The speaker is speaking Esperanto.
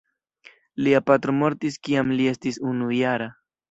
Lia patro mortis kiam li estis unujara.